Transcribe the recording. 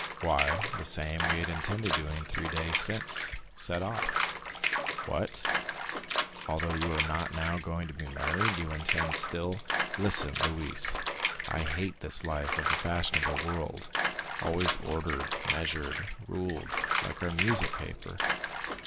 "Why, the same we had intended doing three days since—set off." "What?—although you are not now going to be married, you intend still——" "Listen, Louise. I hate this life of the fashionable world, always ordered, measured, ruled, like our music paper.